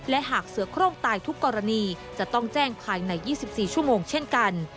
และหากเสือโครงตายทุกกรณีจะต้องแจ้งภายใน๒๔ชั่วโมงเช่นกัน